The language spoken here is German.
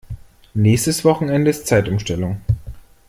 Nächstes Wochenende ist Zeitumstellung.